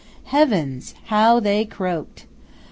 Heavens! how they croaked!